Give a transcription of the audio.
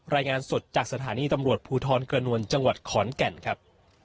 รายงานสดจากสถานีตำรวจภูทรกระนวลจังหวัดขอนแก่นครับ